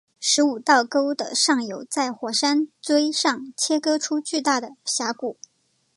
十五道沟的上游在火山锥上切割出巨大的峡谷。